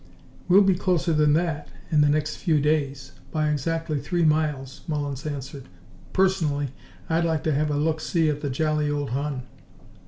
"We'll be closer than that in the next few days by exactly three miles!" Mullins answered. "Personally, I'd like to have a look see at the jolly old Hun."